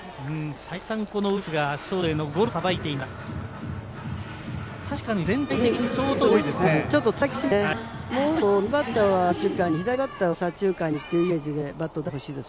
再三、ウルテスがショートへのゴロをさばいています。